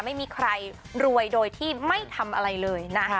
ไม่มีใครรวยโดยที่ไม่ทำอะไรเลยนะ